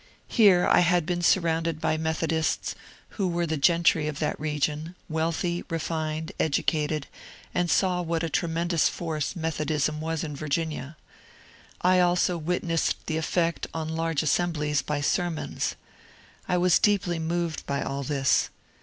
Here I had been surrounded by Methodists, who wei*e the gentry of that region, wealthy, refined, educated, and saw what a tremendous force Methodism was in Virginia. I also wit nessed the effect on large assemblies by sermons. I was deeply moved by all this.